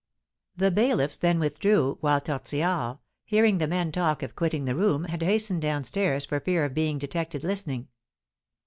The bailiffs then withdrew, while Tortillard, hearing the men talk of quitting the room, had hastened down stairs for fear of being detected listening.